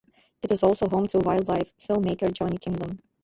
It is also home to wildlife filmmaker Johnny Kingdom.